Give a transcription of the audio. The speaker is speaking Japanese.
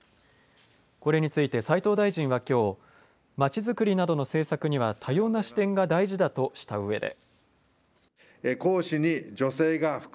これについて、斉藤大臣はきょう、街づくりなどの政策には、多様な視点が大事だとしたうえで。